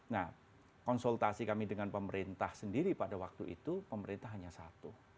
nah konsultasi kami dengan pemerintah sendiri pada waktu itu pemerintah hanya satu